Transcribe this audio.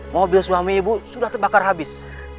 mobil suami ibu sudah terbakar habis